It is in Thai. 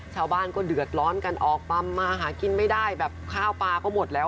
ชาวบ้านก็เดือดร้อนกันออกปั๊มมาหากินไม่ได้แบบข้าวปลาก็หมดแล้ว